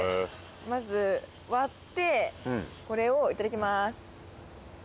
まず割ってこれをいただきます。